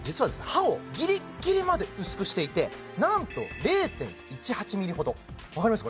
刃をギリギリまで薄くしていてなんと０．１８ｍｍほど分かります？